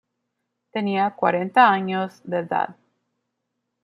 Tenía cuarenta años de edad.